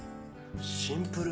シンプル。